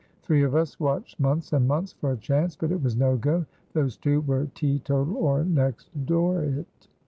Three of us watched months and months for a chance, but it was no go; those two were teetotal or next door it."